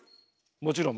もちろん。